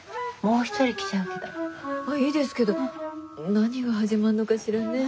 いいですけど何が始まるのかしらね。ねぇ。